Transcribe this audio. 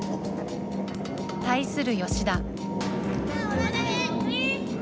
対する吉田。